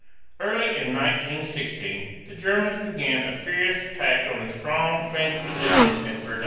Early in 1916 the Germans began a furious attack on the strong French position at Verdun.